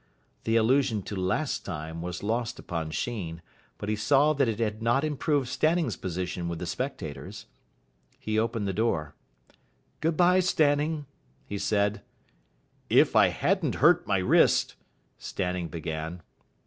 The allusion to "last time" was lost upon Sheen, but he saw that it had not improved Stanning's position with the spectators. He opened the door. "Good bye, Stanning," he said. "If I hadn't hurt my wrist " Stanning began.